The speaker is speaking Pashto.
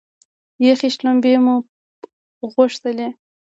یخې شلومبې مو غوښتلې.